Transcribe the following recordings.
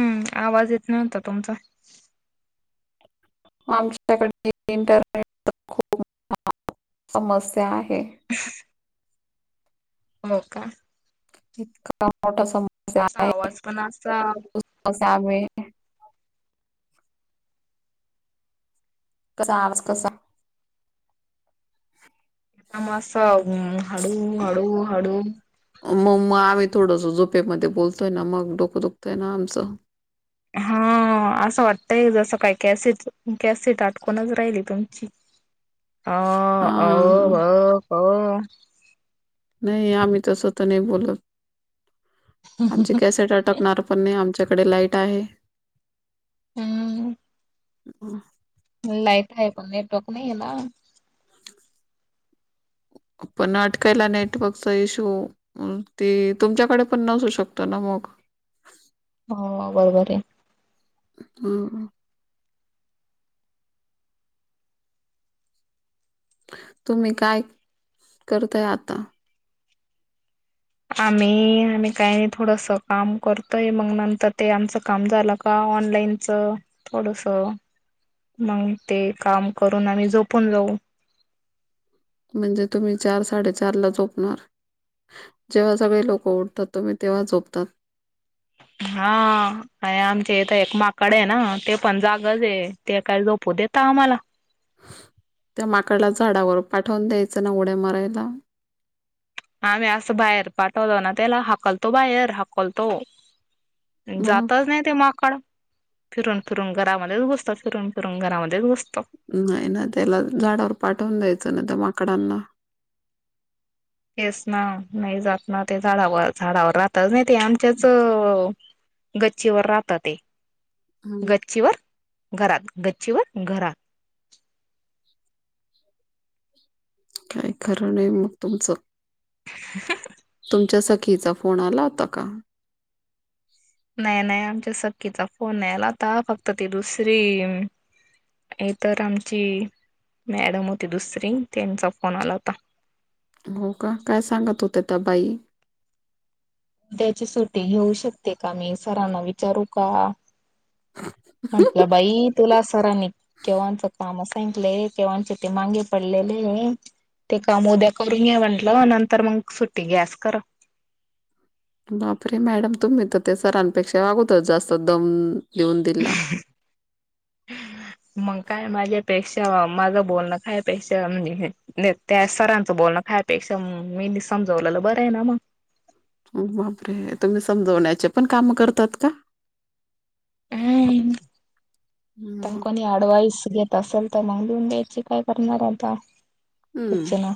हम्म आवाज येत नव्हता तुमचा. आमच्याकडे [unintelligible] खूप समस्या आहे. हो का. इतका मोठा सम तुमचा आवाज पण असा असावे. कसा आवाज कसा? [unintelligible] मास हळू हळू हळू. म म आम्ही थोडंस झोपेमध्ये बोलतोय ना मग डोकं दुखतय ना आमचं. हा. हा असं वाटतय जसं काय कॅसेट, कॅसेट आटकूनच राहिली तुमची. हा [unintelligible] नाही आम्ही तस तर नाही बोलत, आमची कॅसेट अटक णार पण नाही आमच्याकडे लाईट आहे. हम्म. हा. लाईट आहे पण नेटवर्क नाही आहे ना. पण अटकायला नेटवर्कचा इश्यू. ते तुमच्याकडे पण नसू शकतो ना मग. हो बरोबर आहे. हम्म. तुम्ही काय, करताय आता? आम्ही आम्ही काही नाही थोडंसं काम करतोय मग नंतर ते आमचं काम झालं का ऑनलाईन च, थोडस, मग ते काम करून आम्ही झोपून जाऊ. म्हणजे तुम्ही चार साडेचार ला झोपणार. जेव्हा सगळे लोक उठतात तुम्ही तेव्हा झोपतात. हा अ आमच्या इथ एकमाकड आहे ना ते पण जागच हाय. ते काय झोपू देेत आम्हाला. त्या माकडला झाडावर पाठवून द्यायचं ना उड्या मारायला. आम्ही असं बाहेर पाठवलो ना त्याला हाकलतो बाहेर हाकलतो. मग जातच नाही ते माकड. फिरून फिरून घरामध्येच बसतो फिरून फिरून घरामध्येच बसतो. नाही ना त्याला झाडावर पाठवून द्यायचं ना त्या माकडांना. येस ना नाही जात ना ते झाडावर झाडावर राहतच नाही ते आमच्याच गच्चीवर राहत ते हम्म. गच्चीवर घरात गच्चीवर घरात काय खरं नाही मग तुमचं? तुमच्या सखीच फोड आला तका नाही नाही आमच्या सखकीचा फोन नाहीला आता फक्त ती दुसरी हे तर आमची मॅडम होती दुसरी त्यांचा फोन आला होता हो का काय सांगत होते त्या बाई त्याची सुटी घेऊ शकते का मी सरांना विचारू का ह म्हंटलं बाई तुला सरांनी केवांच काम सांऐकलंय तेव्हाचे ते मांगे पडलेले. ते काम उद्या करून ये म्हटलं नंतर मग सुट्टी गॅस कररा बापरे! मॅडम तुम्ही तर, त्या सरांपेक्षा अगोदर जास्त दम दीऊन दिला. ह मग काय माझ्यापेक्षा माझं बोलणं कायपेक्षा नाही त्या सरांचं बोलणं कायपेक्षा मीनी समजवलेलं बरं आहे ना मग बापरे तुम्ही समजवण्याचे पण काम करतात का [inaudible] मग डवाइस घेत असेल तर मग लिहून घ्यायची काय करणार हम्म आताचना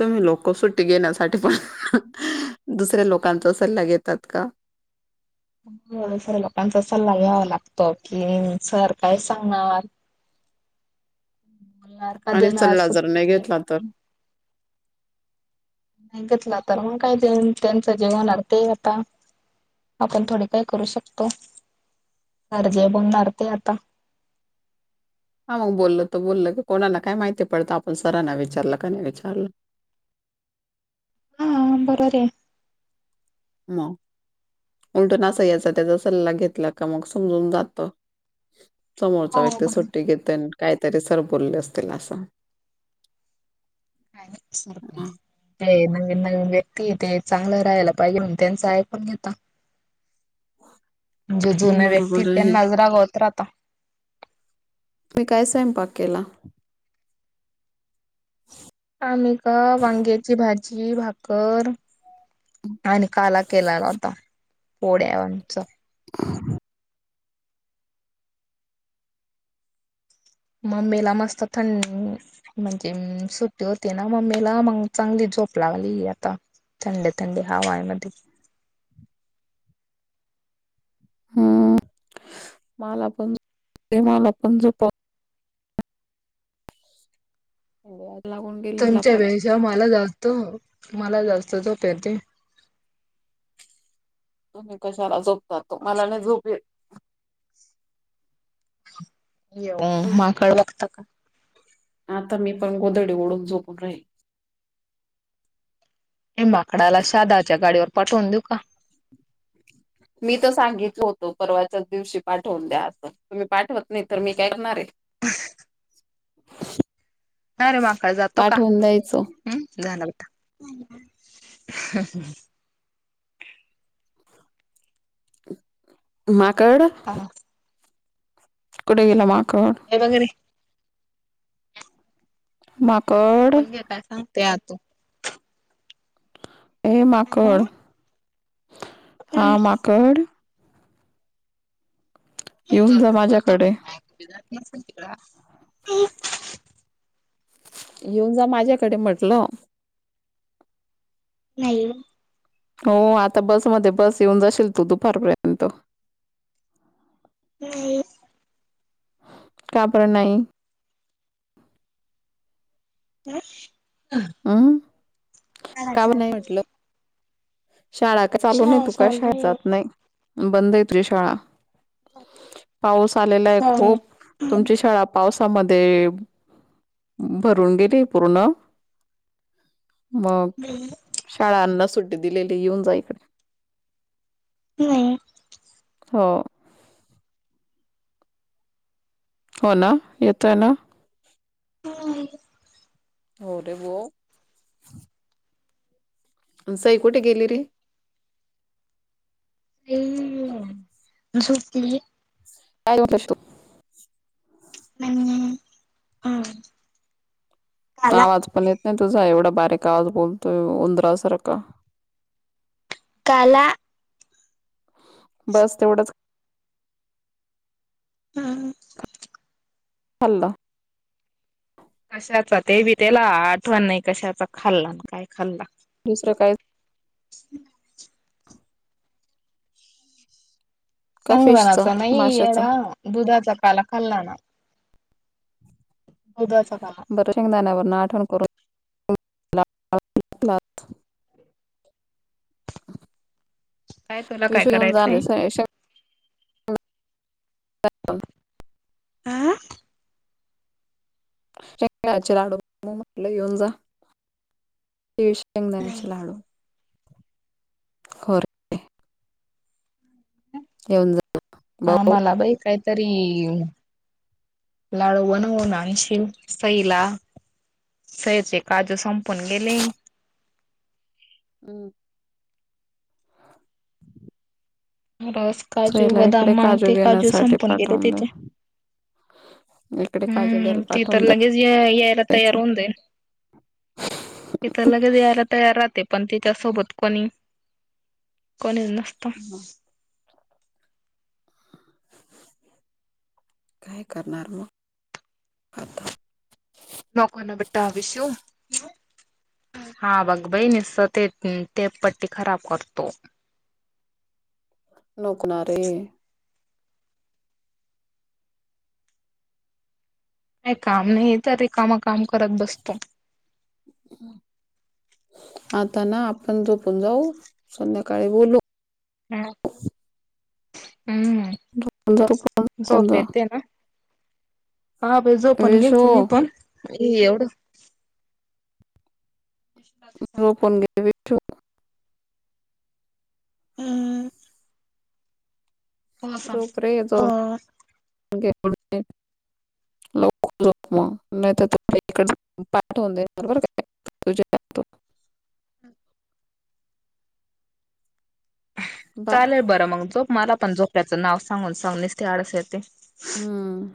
तुम्ही लोक सुट्टी घेण्यासाठी पण दुसऱ्या लोकांचा सल्ला घेतात का हो सर लोकांचा सल्ला घ्यावा लागतो, की सर काय सांगणार? [inaudible] न आणि चलला जर नाही घेतला तर नाही घेतला तर मग काय देऊ त्यांच जेवणार ते आता आपण थोडे काही करू शकतो. काय जे होणार ते आता हा मग बोल्ल तर बोल्ल की, कोणाला काय माहिती पडतं? आपण सरांना विचारलं का? नाही विचारलं. हा बरं रे म उलटो ना याचा त्याचा सल्ला घेतला का मग समजून जात समोरचा हो व्यक्ती बरोबर सुट्टी घेत काहीतरी सर बोलले असतील असं आणि सरप हां, ते नवीन नवीन व्यक्ती ते चांगलं राहायला पाहिजे म्हण त्यांच ऐ पण घेता हम जे जुन व्यक्ती ते नजरागा होत राहता तुम्ही काय सायम पाक केला आमेिका वांग्यांची भाजी भाकरर आणि काला केलेला होता पोळ्यावरचा ह मम्मीला मस्त थं म्हणजे सुट्टी होते ना मम्मीला मग चांगली झोप लागली आता थंड थंडी हवामध्ये हम्म मला पण मला पण झप हो ला तमच्या वेशा मला जास्त मला जास्त तोप्या ते तुम्ही कशाला झोपत त मला नाही झोपे येऊ माकळ बघता का आता मी पण गोदडी ओढून झोपून राही हे माकडाला शादाच्या गाडीवर पाठवून देऊ का मी तर सांगितल होतो परवाच्याच दिवशी पाठवून द्या असं तुम्ही पाठवत नाही तर मी काय करणार आहे [inaudible] [inaudible] काय रे वा काय जातो का पाठवून द्यायचं. हम् जाणा बेटा [unintelligible] माकड हा कुठे गेला माकड हे बघ रे माक - काय पण घे काय सांगते आ तू ए माकड हा माकड येऊन जा माझ्याकडे [unintelligible] येऊन जा माझ्याकडे म्हटलं नाही ओ हो आता बसमध्ये बस येऊन जाशील तू दुपारपर्यंत [unintelligible] का बर नाही [unintelligible] हम्म काम नाही म्हटलं शाळा का चालू नई शाळा तू काय शाळेत चालू जात नाही बंद आहे तुझी शाळा पाऊस आलेला आहे खूप तुमची शाळा पावसामध्ये भरून गेली पूर्ण मग आहे शाळांना सुट्टी दिलेली येऊन जाय इकडे नाही हो हो ना येतोय ना [unintelligible] हो रे हो साई कुठे गेली रे [unintelligible] झोपली [unintelligible] [unintelligible] काला आवाज पण येत नाही तुझा एवढा बारीक आवाज बोलतोय उंदरासारखा काला बस तेवढंच हम् खाल्ला कशाचा ते बी त्याला आठवण नाही कशाचा खाल्ला न काय खाल्ला दुसरं काय [inaudible] [inaudible] का फिशचा संगनाचा नाही माशाचा एढा दुधाचा काला खाल्ला ना दुधाचा का - बर शेंगदाण्या वरून आठवण करून ला- काय तुला काय विष येऊन करायचंय जाले [unintelligible] आं शेंगदाण्याचे लाडू [unintelligible] म्हटलं येऊन जा ही शेंगदाण्याचे लाडू खरे येऊन जा हा भाऊ मला बाई काहीतरी. लाडू बनवून आणशिल सईला सइचे काजू संपून गेले. हम्. बस काजू चला बदाम इकडे मागते काजू घेण्यासाठी संपून गेले पाठवून दे तिचे इकडे काजू हम्म घ्यायला ती तर पाठवून दे लगेच यायला तयार होऊन देईन. ती तर लगेच यायला तयार राहते पण त्यािच्यासोबत कोणी कॉलेजला. हा. काय करणार मग आता नको ना बेटा विशु हा बघ बई निस्त ते ते पट्टी खराब करतो. नको ना रे.. नाही काम नाही तर रिकाम काम करत बसतो. आता ना आपण झोपून जाऊ संध्याकाळी बोलू हम्. हम्म कोण जा झोपून कोण झोप जा येते ना? हा बाई झोपून विशो घेते मी पण हे एवढं रोपण घे भ [inaudible] हम् हम्म, हो सांग. झोप रे हो [inaudible] लवक झो नाही तर इकड पॅ बरोबर काय [inaudible] तुझ्या त्या बाय चालेल बरं मग झोप मला पण झोप्याचं नाव सांगून सांगून नसते आळस येते. हम्म